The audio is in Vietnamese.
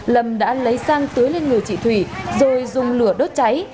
lâm đã lấy sang tưới lên người chị thủy rồi dùng lửa đốt cháy